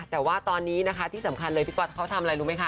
แต่ว่าตอนนี้นะคะที่สำคัญเลยพี่ก๊อตเขาทำอะไรรู้ไหมคะ